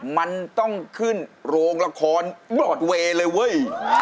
มันต้องขึ้นโรงละครปลอดเวย์เลยเว้ย